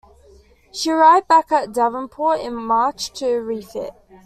She arrived back at Devonport in March to refit.